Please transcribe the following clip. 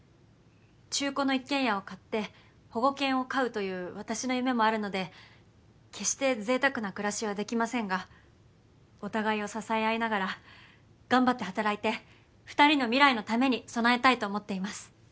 中古の一軒家を買って保護犬を飼うという私の夢もあるので決してぜいたくな暮らしはできませんがお互いを支え合いながら頑張って働いて２人の未来のために備えたいと思っています。